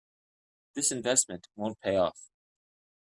This investment won't pay off.